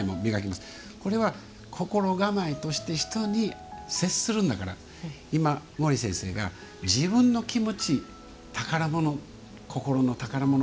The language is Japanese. これは心構えとして人に接するんだから今、毛利先生が自分の気持ち、宝物心の宝物。